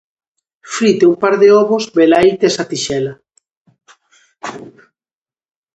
Frite un par de ovos, velaí tes a tixela.